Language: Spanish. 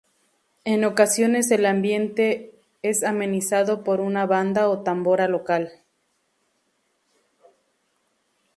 En ocasiones el ambiente es amenizado por una banda o tambora local.